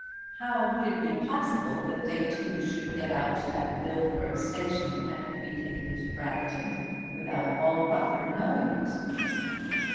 How would it be possible that they two should get out at the Dillsborough Station and be taken to Bragton without all Rufford knowing it.